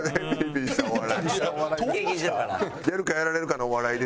やるかやられるかのお笑いでしたもんね。